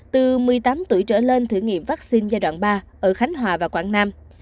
từ một mươi tám tuổi trở lên thử nghiệm vaccine giai đoạn ba ở khánh hòa và quảng nam